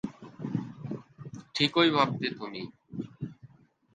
ঠিকই ভাবতে তুমি!